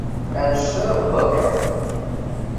Anect-a beṛka.